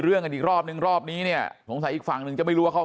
เรื่องกันอีกรอบนึงรอบนี้เนี่ยสงสัยอีกฝั่งหนึ่งจะไม่รู้ว่าเขา